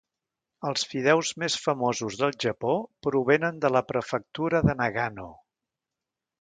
Els fideus més famosos del Japó provenen de la Prefectura de Nagano.